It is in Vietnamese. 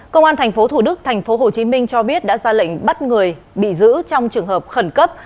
công an thành phố thủ đức thành phố hồ chí minh cho biết đã ra lệnh bắt người bị giữ trong trường hợp khẩn cấp